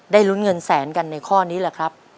ลุ้นเงินแสนกันในข้อนี้แหละครับ